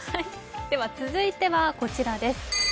続いてはこちらです。